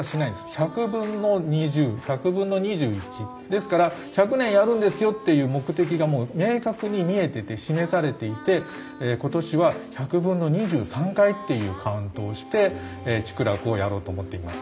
１００分の２０１００分の２１。ですから１００年やるんですよっていう目的が明確に見えてて示されていて今年は１００分の２３回っていうカウントをして竹楽をやろうと思っています。